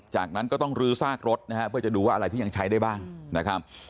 จากนั้นก็ต้องลื้อซากรถนะฮะเพื่อจะดูว่าอะไรที่ยังใช้ได้บ้างนะครับ